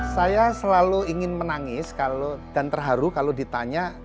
saya selalu ingin menangis dan terharu kalau ditanya